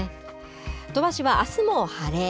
鳥羽市は、あすも晴れ。